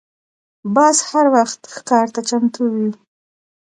باز هر وخت ښکار ته چمتو وي